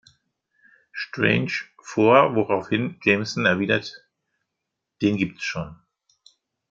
Strange“ vor, woraufhin Jameson erwidert: "Den gibt’s schon.